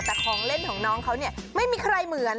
แต่ของเล่นของน้องเขาเนี่ยไม่มีใครเหมือน